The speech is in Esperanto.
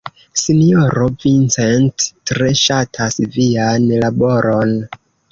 Sinjoro Vincent tre ŝatas vian laboron.